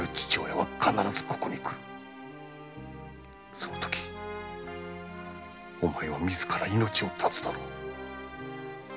そのときお前は自ら命を絶つだろう。